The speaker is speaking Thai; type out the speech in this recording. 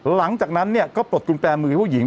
หลังจากนั้นเนี่ยก็ปลดกุญแจมือให้ผู้หญิง